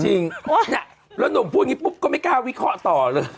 จริงแล้วหนุ่มพูดอย่างนี้ปุ๊บก็ไม่กล้าวิเคราะห์ต่อเลย